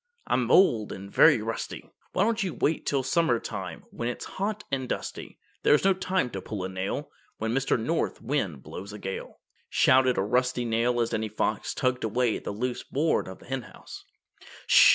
I'm old and very rusty, Why don't you wait till summertime When it is hot and dusty. This is no time to pull a nail When Mr. North Wind blows a gale," shouted a rusty nail as Danny Fox tugged away at the loose board of the Henhouse.